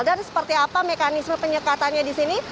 dan seperti apa mekanisme penyekatannya di sini